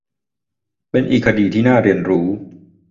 เป็นอีกคดีที่น่าเรียนรู้